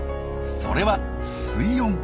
それは水温。